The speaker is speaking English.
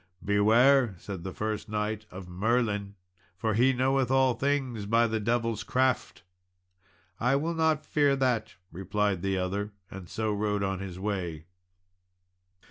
"Beware," said the first knight, "of Merlin, for he knoweth all things, by the devil's craft." "I will not fear for that," replied the other, and so rode on his way.